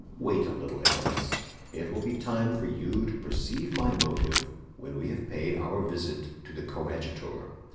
"Wait a little, Aramis; it will be time for you to perceive my motive when we have paid our visit to the coadjutor."